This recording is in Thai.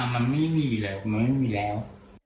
มันไม่มีแล้ว